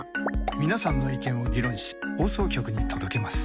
皆さんの意見を議論し放送局に届けます。